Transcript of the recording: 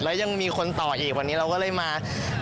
แล้วยังมีคนต่ออีกวันนี้เราก็เลยมา